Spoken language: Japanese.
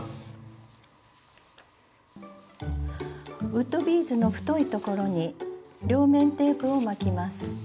ウッドビーズの太い所に両面テープを巻きます。